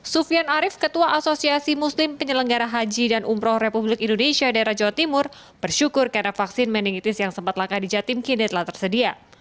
sufian arief ketua asosiasi muslim penyelenggara haji dan umroh republik indonesia daerah jawa timur bersyukur karena vaksin meningitis yang sempat langka di jatim kini telah tersedia